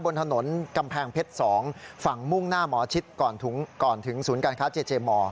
บนถนนกำแพงเพชร๒ฝั่งมุ่งหน้าหมอชิดก่อนถึงศูนย์การค้าเจเจมอร์